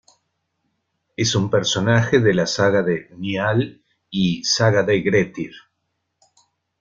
Es un personaje de la "saga de Njál", y "saga de Grettir".